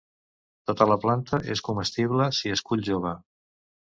Tota la planta és comestible si es cull jove.